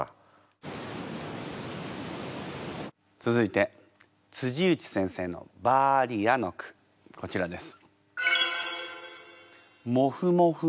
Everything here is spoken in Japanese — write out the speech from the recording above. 続いて内先生の「バーリア」の句こちらです。